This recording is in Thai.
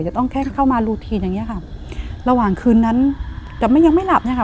จะต้องแค่เข้ามารูทีนอย่างเงี้ยค่ะระหว่างคืนนั้นแต่มันยังไม่หลับเนี่ยค่ะ